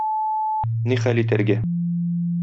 Ни хәл итәргә?